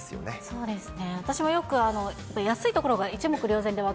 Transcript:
そうですね。